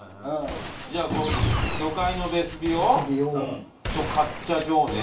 じゃあ魚介のベスビオとカッチャジョーネ？